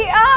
apa sih al